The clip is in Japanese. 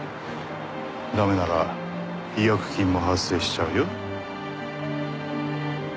駄目なら違約金も発生しちゃうよ。